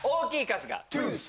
トゥース。